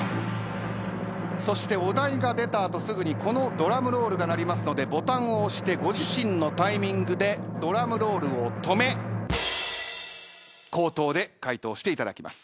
そしてお題が出た後すぐにこのドラムロールが鳴りますのでボタンを押してご自身のタイミングでドラムロールを止め口頭で回答していただきます。